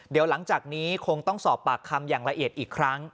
เดี๋ยวหลังจากนี้คงต้องสอบปากคำอย่างละเอียดอีกครั้ง